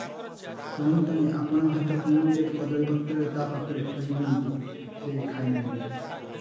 ସାଆନ୍ତାଣୀ ଆପଣା ଭାତ ଖଣ୍ତେ କଦଳୀ ପତ୍ରରେ ତା ପାଖରେ ଥୋଇଦିଅନ୍ତି, ସେ ଖାଏ ନାହିଁ ।